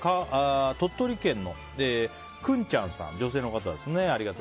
鳥取県の女性の方です。